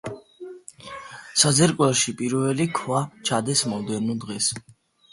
საძირკველში პირველი ქვა ჩადეს მომდევნო დღეს.